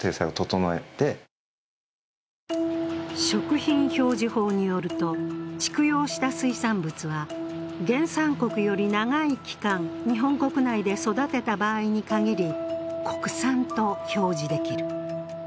食品表示法によると、蓄養した水産物は原産国より長い期間、日本国内で育てた場合に限り国産と表示できる。